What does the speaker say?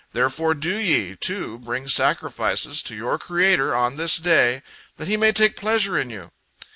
Therefore, do ye, too, bring sacrifices to your Creator on this day, that He may take pleasure in you."